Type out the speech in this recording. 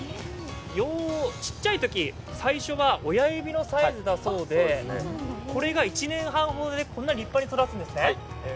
小さいとき、最初は親指のサイズだそうで、これが１年半ほどでこんなに立派に育つんですね。